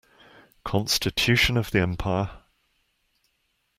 Constitution of the empire.